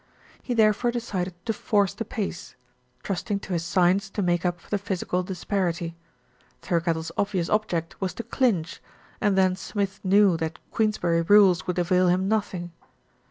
He therefore decided to force the 302 THE RETURN OF ALFRED pace, trusting to his science to make up for the physical disparity. Thirkettle's obvious object was to clinch, and then Smith knew that Queensberry rules would avail him nothing.